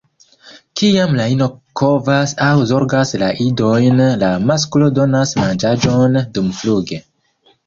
Kiam la ino kovas aŭ zorgas la idojn, la masklo donas manĝaĵon dumfluge.